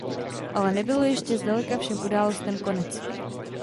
Ale nebylo ještě zdaleka všem událostem konec.